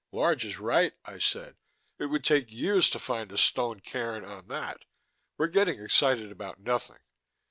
"Large is right," I said. "It would take years to find a stone cairn on that. We're getting excited about nothing.